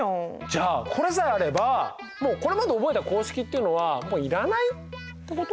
じゃあこれさえあればもうこれまで覚えた公式っていうのはもういらないってこと？